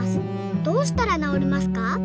どうしたらなおりますか？」。